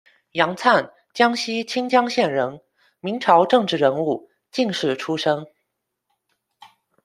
杨灿，江西清江县人，明朝政治人物、进士出身。